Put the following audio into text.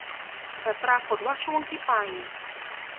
แต่ปรากฎว่าช่วงที่ไป